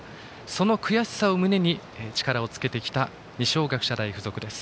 その悔しさを胸に力をつけてきた二松学舎大付属です。